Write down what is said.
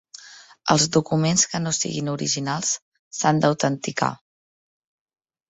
Els documents que no siguin originals s'han d'autenticar.